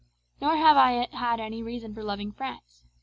Nor have I had any reason for loving France.